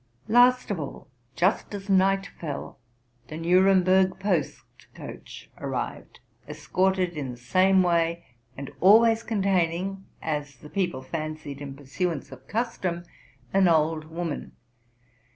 Last of all, just as night fell, the Nuremberg post coach RELATING TO MY LIFE. 21 arrived, escorted in the same way, and always containing, as the people fancied, in pursuance of custom, an old woman.